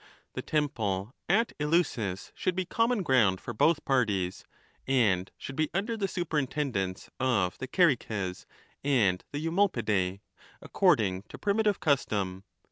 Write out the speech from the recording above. The temple at Eleusis should be com 2 mon ground for both parties, and should be under the superintendence of the Ceryces and the Eumolpidae, 3 ac cording to primitive custom.